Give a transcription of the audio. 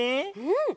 うん！